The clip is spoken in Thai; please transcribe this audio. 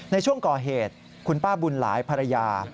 ในช่วงก่อเหตุคุณป้าบุญหลายภรรยา